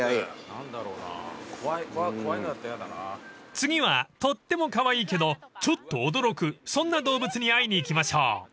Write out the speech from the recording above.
［次はとってもカワイイけどちょっと驚くそんな動物に会いに行きましょう］